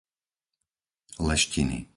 Leštiny